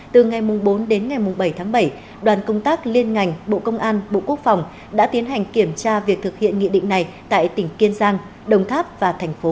từ ngày bốn đến ngày bảy tháng bảy đoàn công tác liên ngành bộ công an bộ quốc phòng đã tiến hành kiểm tra việc thực hiện nghị định này tại tỉnh kiên giang đồng tháp và tp hcm